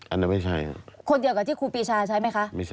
อันนั้นไม่ใช่ครับ